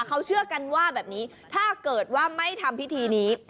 เขาเชื่อกันว่าแบบนี้ถ้าเกิดว่าไม่ทำพิธีนี้